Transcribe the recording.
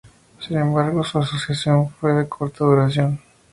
Sin embargo, su asociación fue de corta duración.